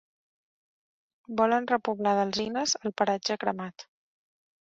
Volen repoblar d'alzines el paratge cremat.